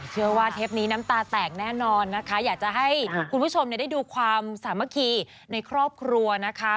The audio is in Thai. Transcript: เทปนี้น้ำตาแตกแน่นอนนะคะอยากจะให้คุณผู้ชมได้ดูความสามัคคีในครอบครัวนะคะ